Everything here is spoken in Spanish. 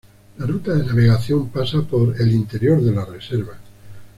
La ruta de navegación pasa por el interior de la reserva.